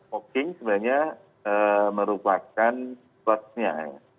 fogging sebenarnya merupakan slurs nya